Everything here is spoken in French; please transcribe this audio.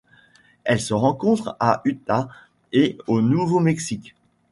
Elle se rencontre en Utah et au Nouveau-Mexique.